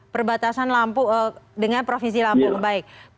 berbatasan dengan provinsi lampung baik